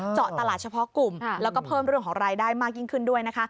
เจาะตลาดเฉพาะกลุ่มแล้วก็เพิ่มเรื่องของรายได้มากยิ่งขึ้นด้วยนะคะ